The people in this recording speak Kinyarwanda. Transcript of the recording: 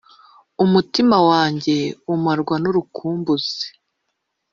umutima wanjye umarwa n’urukumbuzi